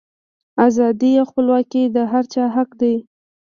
ازادي او خپلواکي د هر چا حق دی.